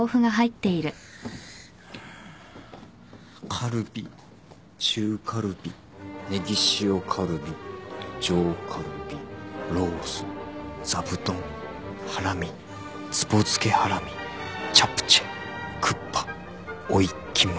カルビ中カルビネギ塩カルビ上カルビロースザブトンハラミつぼ漬けハラミチャプチェクッパオイキムチ。